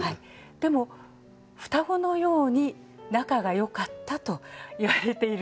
でも双子のように仲がよかったといわれているそうですけれども。